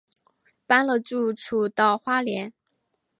搬了住处到花莲